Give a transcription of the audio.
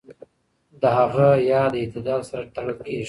د هغه ياد د اعتدال سره تړل کېږي.